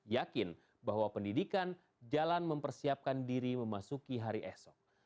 yakin bahwa pendidikan jalan mempersiapkan diri memasuki hari esok